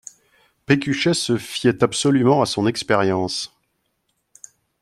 Pécuchet se fiait absolument à son expérience.